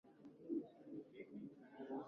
za sekondari Tatizo mojawapo ni kuwepo wa makabila